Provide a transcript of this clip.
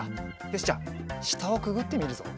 よしじゃあしたをくぐってみるぞ。